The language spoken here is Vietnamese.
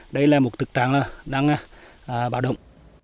đây là một thực trạng đang bạo động